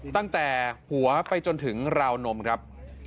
และหัวไปจนถึงราวนมครับ